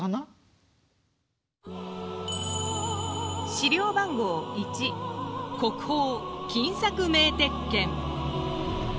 資料番号１国宝金錯銘鉄剣。